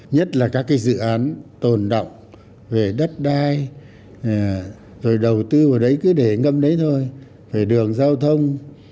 nhất là các cái dự án tồn động về đất đai rồi đầu tư vào đấy cứ để ngâm đấy thôi về đường giao thông